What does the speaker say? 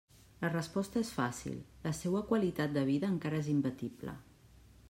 La resposta és fàcil, la seua qualitat de vida encara és imbatible.